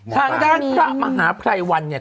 ทางด้านพระมหาภัยวันเนี่ย